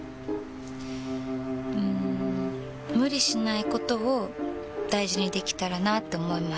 うん無理しないことを大事にできたらなって思います。